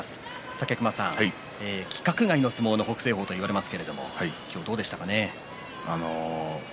武隈さん、規格外の相撲の北青鵬と言われますが今日はどうでしたか。